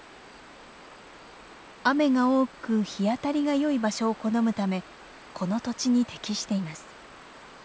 雨が多く日当たりがよい場所を好むためこの土地に適しています。